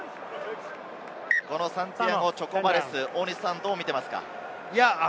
サンティアゴ・チョコバレス、どう見ていますか？